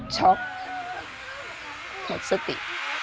ชอบจะข้างซะ